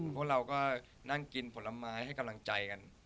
พวกเราก็นั่งกินผลไม้ให้กำลังใจกัน